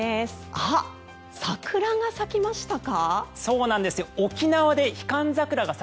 あ、桜が咲きましたか？